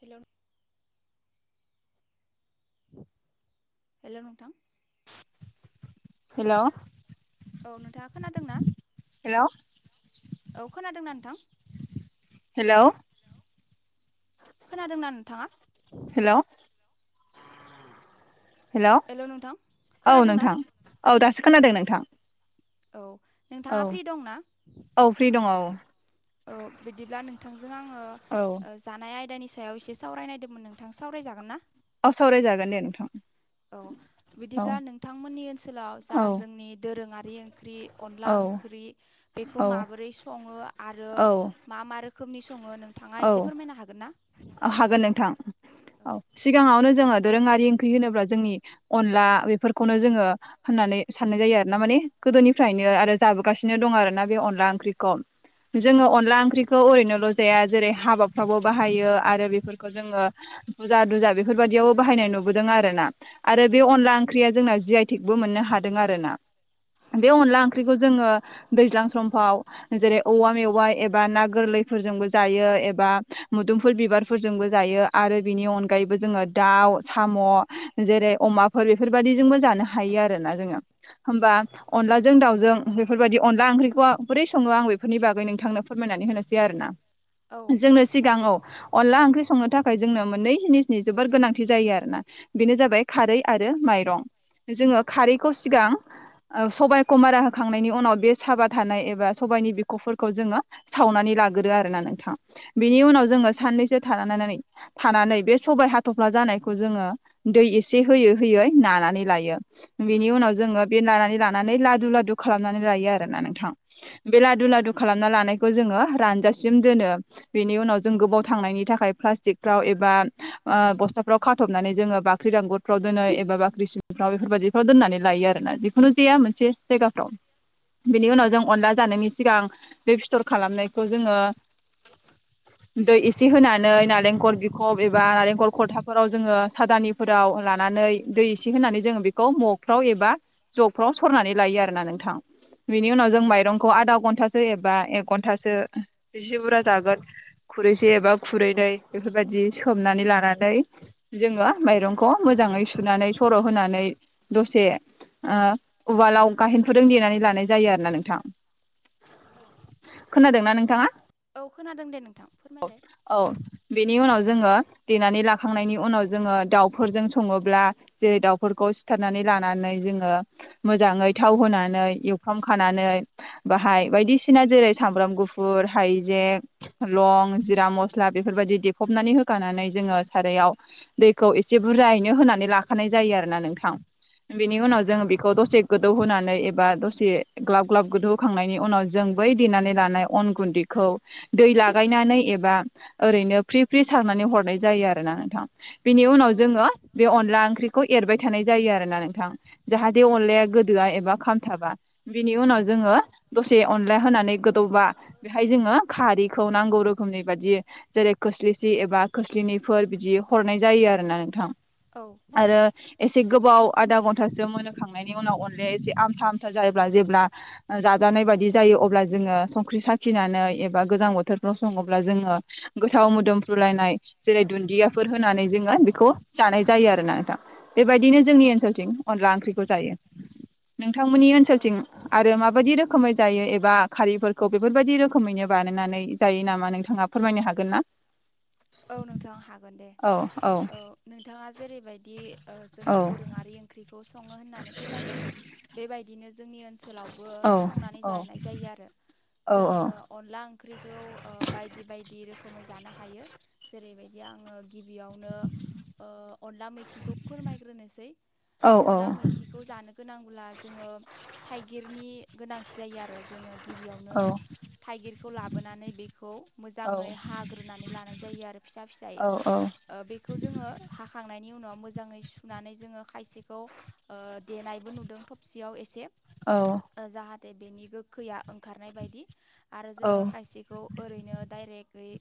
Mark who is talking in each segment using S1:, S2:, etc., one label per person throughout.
S1: Hello hello नोंथां
S2: hello
S1: औ नोंथाङा खोनादों ना?
S2: हेलौ
S1: औ खोनादोंना नोंथां?
S2: हेलौ
S1: खोनादोंना नोंथाङा?
S2: हेलौ? हेलौ औ
S1: खोनादोंना
S2: नोंथां औ दासो खोनादों नोंथां
S1: औ
S2: औ
S1: नोंथाङा फ्रि दंना
S2: औ फ्रि दङ औ
S1: औ बिदिब्ला नोंथांजों आङो जानाय आय नायनि सायाव एसे सावरायनायदोंमोन नोंथां सावरायजागोन ना?
S2: औ सावरायजागोन दे नोंथां
S1: औ
S2: औ
S1: बिदिब्ला नोंथांमोननि ओनसोलाव जा
S2: औ
S1: जोंनि दोरोङारि ओंख्रि अनला
S2: औ
S1: ओंख्रि बेखौ
S2: औ
S1: माबोरै सङो आरो
S2: औ
S1: मा मा रोखोमनि सं
S2: औ हागोन नोंथां औ सिगाङावनो जोङो दोरोङारि ओंख्रि होनोब्ला जोंनि अनला बेफोरखौनो जोङो होननानै साननाय जायो आरो ना माने गोदोनिफ्रायनो आरो जाबोगासिनो दङ' आरोना बे अनला ओंख्रिखौ जोङो अनला ओंख्रिखौ ओरैनोल' जाया जेरै हाबाफ्रावबो बाहायो आरो बेफोरखौ जोङो फुजा दुजा बेफोरबायदियावबो बाहायनाय नुबोदों आरो आरो ना आरो बे अनला ओंख्रिया जोंना जि आइ थिकबो मोननो हादों आरो ना बे अनला ओंख्रिखौ जोङो दैज्लां समफाव जेरै औवा मेवाइ एबा ना गोरलै, बेफोरजोंबो जोंबो जायो एबा मुदुफुल बिबारफोरजोंबो जायो आरो बेनि अनगायैबो जोङो दाउ साम' म' जेरै अमाफोर बेफोरबायदिजोंबो जानो हायो आरो ना जोङो होमबा अनलाजों दाउजों बेफोरबायदि अनला ओंख्रिखौ बोरै सङो आं बेफोरनि बागै नोंथांनो फोरमाय होनानै होनोसै आरोना
S1: औ
S2: जोंनो सिगा औ अनला ओंख्रि संनो थाखाय जोंनो मोननै जिनिसनि जोबोर गोनांथि जायो आरो ना बेनो जाबाय खारै आरो माइरं जोङो खारैखौ सिगां सबायखौ मारा होखांनायनि उनाव बे साबा थानाय एबा सबायाइनि बिख'फोरखौ जोङो सावनानै इलाग्रो आरोना नों थां बिनि उनाव जोङो साननैसो थानानानै थानानै बे सबाय हाथ'फ्ला जानायखौ जोङो दै एसे होयै होयै नानानै लायो बेनि उनाव जोङो बे नानानै लानानै लादु ला लादु खालामनानै लायो आरोना नोंथां बे लादु
S1: औ
S2: लादु खालामना लानायखौ जोङो रानजासिम दोनो बेनि उनाव जों गोबाव थांनायनि थाखाय प्लास्टिकफ्राव एबा ओ बस्थाफ्राव खाथबनानै जोङो बाख्रि दांगुरफ्राव दोनो एबा बाख्रि सिंफ्राव बेफोरबायदिफ्राव दोननानै लायो आरोना जिखुनु जाया मोनसे जायगा [unintelligible] दं बिनि उनाव जों अनला जानायनि सिगां बे फिथर खालामनायखौ जोङो
S1: [inaudible]
S2: दै एसे होनानै नालेंखर बिखब एबा नालेंखल खलथाफोराव जोङो सादानिफोराव, लानानै दै इसे होनानै जोङो बेखौ म'गफ्राव एबा जगफ्राव सरनानै लायो आरोना नोंथां बिनि उनाव
S1: औ
S2: जों माइरंखौ आदा घन्टासो एबा एक घन्टासो सि बुरा जागोन खुरैसे एबा खुरैनै बेफोरबायदि सोमनानै लानानै जोङो माइरंखौ मोजाङै सुनानै सर' होनानै दसे ओ उवालाव गाहेनफोरजों देनानै लानाय जायो आरोना नोंथां।
S1: औ
S2: खोनादोंना नोंथाङा?
S1: औ खोनादों दे नोंथां फोरमायलाय।
S2: औ बेनि उनाव जोङो देनानै लाखांनायनि उनाव जोङो दाउफोरजों सङोब्ला जेरै दाउफोर खौ सिथारनानै लानानै जोङो मोजाङै थाव होनानै एवफ्रामखानानै बा हाय बायदिसिना जेरै सामब्राम गुफुर, हाइजें, लं, जिरा मस्ला बेफोरबायदि देफबनानै होखानानै जोङो सारायाव दैखौ एसे बुरजायैनो होनानै लाखानाय जायो आरोना नोंथां। बेनि उनाव जोङो बेखौ दसे गोदौ होनानै एबा दसे ग्लाब ग्लाब गोदौ होखांनायनि उनाव जों बै देनानै लानाय अन गुन्दै खौ दै लागायनानै एबा ओरैनो फ्रि फ्रि सारनानै हरनाय जायो आरोना नोंथां। बिनि उनाव
S1: औ
S2: जोङो बे अनला ओंख्रि खौ एरबाय थानाय जायो आरोना नोंथां जाहाथे अनलाया गोदोआ एबा खामथाबा बिनि उनाव जो ङो दसे अनला होनानै गोदौबा बेहाय जोङो खारैखौ नांगौ रोखोमनि बादि जेरै खोस्लिसि एबा खोस्लिनैफोर बिदि हरनाय जायो आरोना नोंथां
S1: औ
S2: आरो एसे गोबाव आदा घन्टासो मोनहोखांनायनि उनाव अनलाया एसे आमथा आमथा जायोब्ला जेब्ला जाजानाय बा दि जायो अब्ला जोङो संख्रि सा खिनानै एबा गोजां बोथोरफ्राव सङोब्ला जोङो गोथाव मोदोमफ्रुलायनाय जेरै दुन्दियाफोर होनानै जोङो बेखौ जानाय जायो आरोना नोंथां। बेबायदिनो जोंनि ओनसोलथिं अनला ओंख्रिखौ जायो।
S1: [inaudible]
S2: नोंथांमोननि ओनसोलथिं आरो माबायदि रोखोमै जायो एबा खारिफोरखौ बेफोरबायदि रोखोमैनो बानायनानै जायो नामा नोंथाङा फोरमायनो हागोन ना?
S1: औ नोंथां हागोन दे।
S2: औ औ
S1: ओ नोंथाङा जेरैबायदि ओ
S2: औ
S1: जोंनि दोरोङारि ओंख्रिखौ सङो होननानै फोरमायदों बेबायदिनो जोंनि ओनसोलावबो
S2: औ
S1: संनानै
S2: औ
S1: जानाय जायो आरो जोङो अनला ओंख्रिखौ ओ बायदि बायदि रोखोमै जानो हायो जेरैबायदि आङो गिबियावनो ओ अनला मैखिखौ फोरमायग्रोनोसै
S2: औ औ
S1: अनला मैखिखौ जानो गोनां अब्ला जोङो थाइगिरनि गोनांथि जायो आरो जोङो गिबियावनो
S2: औ
S1: थाइगिरखौ लाबोनानै बेखौ
S2: औ
S1: मोजाङै हाग्रोनानै लानाय जायो आरो फिसा फिसायै ओ बेखौ जोङो हाखांनायनि उनाव मोजाङै सुनानै जोङो खायसेखौ ओ देनायबो नुदों थबसियाव एसे जाहा थे बेनि गोखैया ओंखारनाय बायदि आरो जोङो खायसेखौ ओरैनो दाइरेक्टयै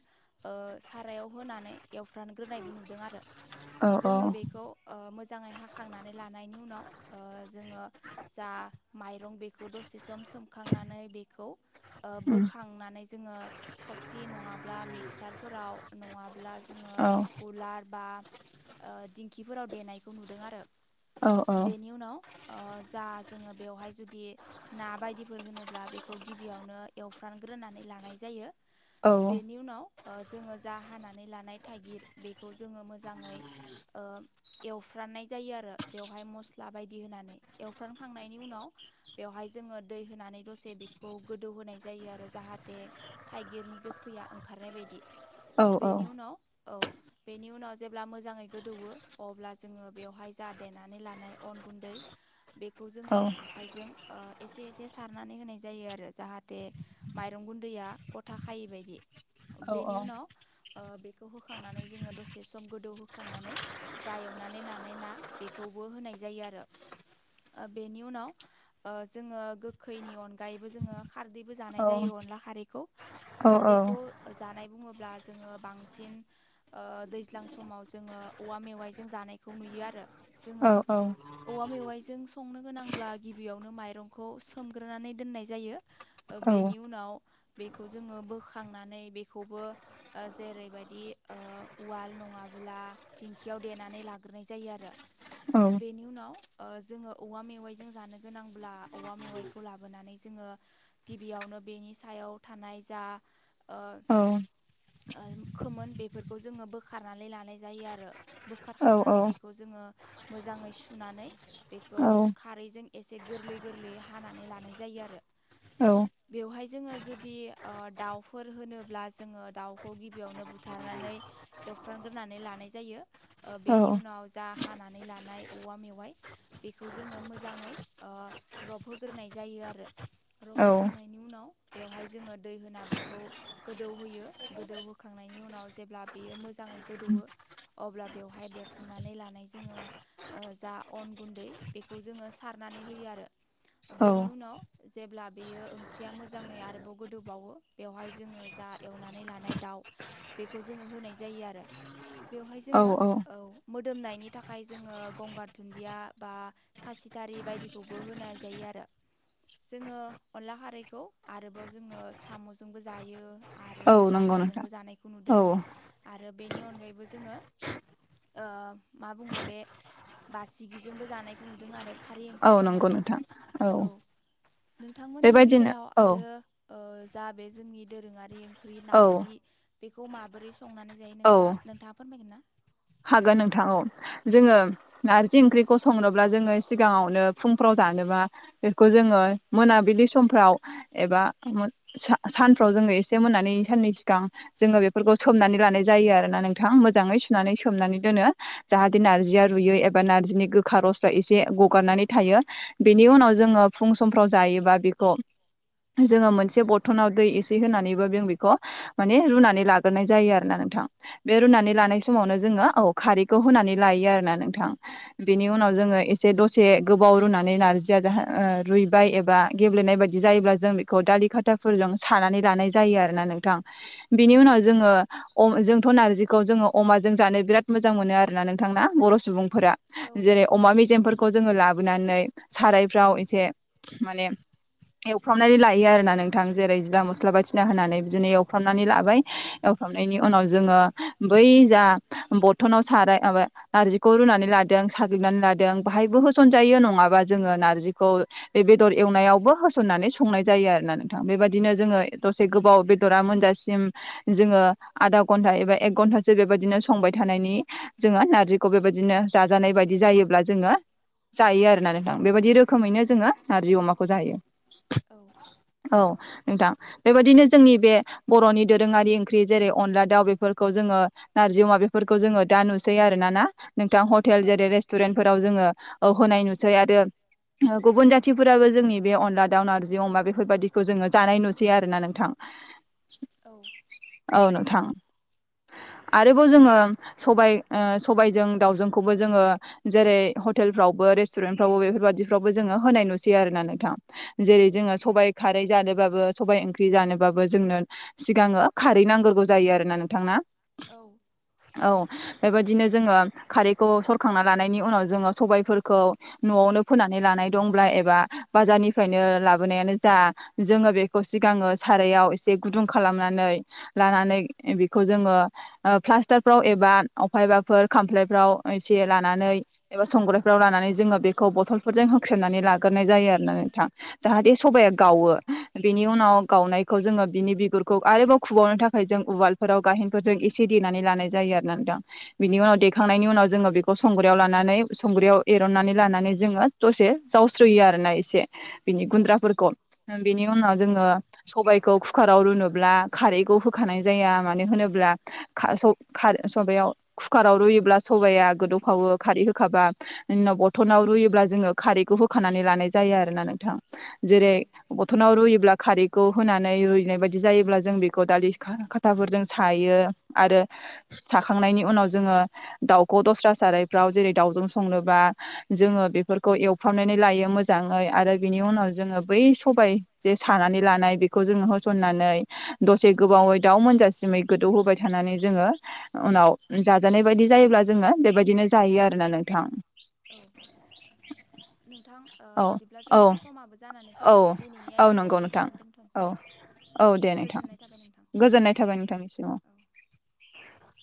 S1: ओ सारायाव होनानै एवफ्रामग्रोनायबो नुदों आरो जोङो बेखौ ओ मोजाङै हाखांनानै लानायनि उनाव जोङो जा माइरं बेखौ दसे सम सो खांनानै बेखौ बोखांनानै जोङो थबसि नङाब्ला मिक्सारफोराव नङा ब्ला जोङो उलार बा दिं खिफोराव देनायखौ नुदों आरो बेनि उनाव ओ जा जोङो बेवहाय जुदि ना बायदिफोर होनोब्ला बेखौ गिबियावनो एवफ्राम ग्रोनानै लानाय जायो बेनि उनाव जोङो जा हानानै लानाय थाइगिर बेखौ जोङो मोजाङै एवफ्राम नाय जायो आरो बेवहाय मस्ला बायदि होनानै एवफ्रामखांनायनि उनाव बेयावहाय जोङो दै होनानै दसे बेखौ गोदौ होनाय जायो आरो जाहाथे थाइगिरनि गोखैया ओखारनाय बायदि ओ बेनि उनाव औ बेनि उनाव जेब्ला मोजाङै गोदौवो अब्ला जोङो बेवहाय जा देनानै लानाय अन गुन्दै बेखौ जोङो आखाइजों ओ एसे एसे सारनानै होनाय जायो आरो जाहाथे माइरं गुन्दैया गथा खायै बायदि बेनि उनाव ओ बे खौ होखांनानै जोङो दसे सम गोदौ होखांनानै जा एवनानै लानाय ना बेखौबो होनाय जायो आरो ओ बेनि उनाव ओ जोङो गोखैनि अन गायैबो जोङो खारदैबो जानाय जायो अनला खारैखौ खारदैखौ जानाय बुङोब्ला जोङो बांसिन ओ दैज्लां समाव जोङो औवा मेवाइजों जानाय खौ नुयो आरो जोङो
S2: औ
S1: औवा मेवाइजों संनो गोनांब्ला गिबियाव नो माइरंखौ सोमग्रोनानै दोननाय जायो ओ बेनि उनाव बेखौ जोङो बोखांनानै बेखौबो ओ जेरैबायदि ओ उवाल नङाब्ला थिंखियाव देनानै ला ग्रोनाय जायो आरो बेनि उनाव ओ जोङो औवा मेवाइजों जानो गोनांब्ला औवा मेवाइखौ लाबोनानै जो ङो गिबियावनो बेनि सायाव थानाय जा ओ
S2: औ
S1: ओन खोमोन बेफोरखौ जोङो बोखारनानै लानाय जायो आरो बोखारखांनानै बेखौ जोङो मोजाङै सुनानै बेखौ
S2: औ
S1: खारैजों एसे गोरलै गोरलैयै हानानै लानाय जा यो आरो बेवहाय जोङो जुदि ओ दाउफोर होनो ब्ला जोङो दाउखौ गिबियावनो बुथारनानै एवफ्रामग्रोनानै लानाय जायो। ओ बेनि उनाव जा हानानै लानाय औवा मेवाइ बेखौ जोङो मोजाङै ओ रब होग्रोनाय जायो आरो। रबहोखांनायनि उनाव बेवहाय जोङो दै होना बेखौ गोदौ होयो गोदौ होखांनायनि उनाव जेब्ला बेयो मोजाङै गोदौवो अब्ला बेवहाय दे खांनानै लानाय जोङो ओ जा अन गुन्दै बेखौ जोङो सारनानै होयो आरो। बेनि उनाव। जेब्ला बेयो ओंख्रिया मोजाङै आरोबाव गोदौबावो बेवहाय जोङो जा एवनानै लानाय दाउ बेखौ जोङो होनाय जायो आरो। बेवहाय जोङो औ। मोदोमनायनि थाखाय जोङो गंगार धुन्दिया बा खासिथारि बायदिखौबो होनाय जायो आ रो जोङो अनला खारैखौ आरोबाव जोङो साम'जोंबो जायो। आरो
S2: औ नंगौ नोंथां
S1: लाथाजोंबो जानायखौ
S2: औ
S1: नुदों आरो बेनि अनगायैबो जोङो ओ मा बुङो बे बासिगिजोंबो जानायखौ नुदों आरो। खारै ओंख्रि
S2: औ नंगौ
S1: संनानै
S2: नोंथां।
S1: औ नोंथांमोननि
S2: बेबायदिनो
S1: ओनसोलाव
S2: औ
S1: आरो ओ। जा बे जोंनि दोरोङारि ओंख्रि
S2: औ
S1: नारजि बेखौ माबोरै संनानै जायो
S2: औ
S1: नोंसा नोंथां। फोरमायगोनना।
S2: हागोन नोंथां औ जोङो नारजि ओंख्रिखौ संनोब्ला जोङो सिगाङावनो फुंफ्राव जा नोबा बेखौ जोङो मोनाबिलि समफ्राव एबा सा सानफ्राव जों। एसे [unintelligible] साननै सिगां जोङो बेफोरखौ सोमनानै लानाय जायो आरोना नोंथां मोजै सुनानै। सोमनानै दोनो जाहाथे नारजिया रुयो एबा नारजिनि गोखा रसफ्रा एसे गगारनानै थायो। बिनि उनाव जोङो फुं समफ्राव जायोबा बेख'। जोङो मोनसे बरथनाव दै एसे होनानैबो जों बेखो माने रुनानै लाग्रोनाय जायो आरो ना नों थां बे रुनानै
S1: औ
S2: लानाय समावनो। जोङो औ खारैखौ होनानै ल आरोना नोंथां बेनि उनाव जोङो इसे दसे गोबाव रुना नै जाहा ओ रुयबाय एबा गेब्लेनाय बादि जायोबा जों बेखौ दालि खाथाफोरजों सानानै। जानाय जायो आरोना नोंथां बिनि उनाव
S1: औ
S2: जोङो अ जोंथ' नारजिखौ जोङो अमा जों जानो बिरोद मोनो आरोना नोंथां ना बर' सुबुंफोरा
S1: औ
S2: जेरै अमा मेजेमफोर खौ जोङो लाबोनानै सारायफ्राव एसे माने एवफ्रामनानै लायो आरो ना नोंथां जेरै जिरा मस्ला बायथिना होनानै बिदिनो एवफ्रामनानै लाबाय खालामनायनि उनाव जोङो बै जा बथनाव साराय म नारजिखौ रुनानै लादों साग्लिनानै लादों बाहायबो होसनजायो नङा माबा जोङो नारजखौ बे बेदर एवनायावबो होसननानै संनाय जायो आरोना नोंथां बेबायदिनो जोङो दसे गोबाव बेदरा मोनजासिम जोङो आदा घन्टा एबा एक घन्टासो बेबायदिनो स संबाय थानायनि जोङो नारजिखौ बेबायदिनो जाजानाय बायदि जायोब्ला जोङो जायो आरोना नोंथां बेबायदि रोखोमैनो जोङो नारजि अमाखौ जायो।
S1: औ
S2: औ। नोंथां बेबायदिनो जोंनि बे बर'नि दोरोङारि ओंख्रि जेरै अनला दाउ बेफोरखौ जोङो नारजि अ बेफोरखौ जोङो दा नुसैयो आरो ना ना नोंथां हटेल
S1: औ
S2: जेरै रेस्टुरेन्टफोराव जोङो औ होनाय नुसै आरो गुबुन जाथिफोराबो जोंनि बे अनला दाउ नारजि अमा बेफोरबायाददिखौ जोङो जानाय नुसै आरोना नोंथां।
S1: [inaudible] औ
S2: औ नोंथां आरो। जोंङो सबाय ओ- सबायजों दावजोंखौबो जोङो जेरै हटेलफ्रावबो रेस सटेन फ्रावबो बेफोरबादिफ्रावबो जोङो होनाय नुसै आरो ना नोंथां जेरै जोङो सबबाय खारै जानोबाबो सबायाइ ओंख्रि जानोबाबो जोंनो सिगाङो खारै नांग्रगौ जायो आरो ना नोंथांना।
S1: औ।
S2: औ बेबायदिनो जोङो खारैखौ सरखांना लानायनि उनाव जोङो सबायफोरखौ न'आवनो फोनानै लानाय दंब्ला एबा बाजारनिफ्रायनो लाबोनायानो जा जोङो बेखौ सिगाङो स सारयाव एसे गुदुं खालामनानै लानानै बेखौ जोङो ओ प्लास्टारफ्राव एबा अफाय एबाफोर खामफ्लायफ्राव एसे लानानै एबा संग्रायफ्राव लानानै जोंङो बेखौ बथलफोरजों होख्रेनानै लाग्रोनाय जायो आरोना नोंथां जाहाथे सबाया गावो बे बिनि उनाव गावनायखौ जोङो बिनि बिगुरखौ आरोबाव खुबावनो थाखाय जों उवालफोराव गायेनखौ जों ए- एसे देनानै लानाय जायो आरो न दां बिनि उनाव देखांनायनि उनाव जोङो बेखौ संग्रायाव लानानै संग्रयाव नानै लानानै जोंङो दसे जावसोयो आरोनासे बिनि
S1: औ
S2: गुनद्राफोरखौ बेनि बेनि उनाव जोङो सबायाइखौ कुकाराव रुनोब्ला खारैखौ होखानाय जाया मानो होनोब्ला सबायाव कुकाराव रुयोब्ला सबाया गोदौफावो खारै होखाबा जोंनाव बथलाव रुयोब्ला जोङो खारैखौ होखानानै लानाय जायो आरो ना नोंथां
S1: औ
S2: जेरै अथनाव रयोब्ला खारैखौ होनानै रुइनाय बायदि जायोब्ला जों बेखौ दालि खाथाफोरजों सायो आरो साखांनायनि उनाव जोङो दाउखौ दस्रा सारायफ्राव जेरै दाउजों संनोबा जोङो बेफोरखौ एवफ्रामनानै लायो मोजाङै आरो बिनि उनाव जोङो बै सबाय जे सानानै लानाय बेखौ जोङो होसननानै दसे गोबावै दाउ मोनजासिमै गोदौ होबाय थ थानानै जोङो उनाव जाजानाय बायदि जायोब्ला जोङो बेबायदिनो जायो आरोना नोंथां
S1: औ
S2: औ औ
S1: खानानै
S2: औ
S1: फैबाय दिनैनि
S2: औ
S1: आयदाखौ
S2: नंगौ नोंथां
S1: बेखिनियावनो
S2: औ
S1: दोनथ'नोसै
S2: औ दे नोंथां
S1: गोजोननाय थाबाय नोंथां
S2: गोजोननाय थाबाय नोंथांनिसिमाव
S1: [inaudible]